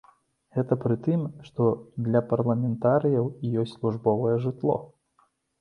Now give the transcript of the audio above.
Гэта пры тым, што для парламентарыяў ёсць службовае жытло!